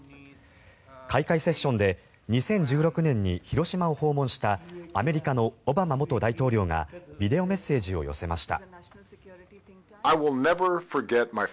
開会セッションで２０１６年に広島を訪問したアメリカのオバマ元大統領がビデオメッセージを寄せました。